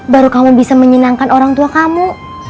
baru kamu bisa menyenangkan orang tua kamu